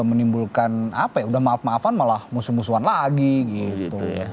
menimbulkan apa ya udah maaf maafan malah musuh musuhan lagi gitu